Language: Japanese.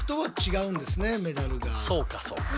そうかそうか。